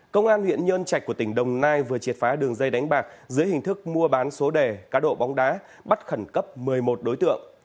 công an huyện nhân trạch của tỉnh đồng nai vừa triệt phá đường dây đánh bạc dưới hình thức mua bán số đề cá độ bóng đá bắt khẩn cấp một mươi một đối tượng